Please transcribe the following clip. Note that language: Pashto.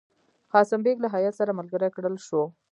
قاسم بیګ له هیات سره ملګری کړل شو.